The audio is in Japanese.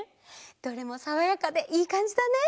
どれもさわやかでいいかんじだね。